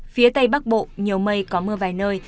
phía tây bắc bộ nhiều mây có mưa vài nơi